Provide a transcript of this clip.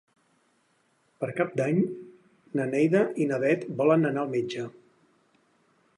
Per Cap d'Any na Neida i na Bet volen anar al metge.